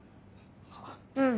うん。